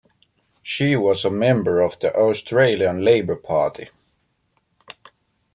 She was a member of the Australian Labor Party.